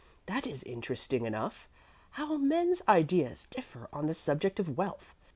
"That is interesting enough. How men's ideas differ on the subject of wealth!